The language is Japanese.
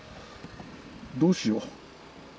どうしよう。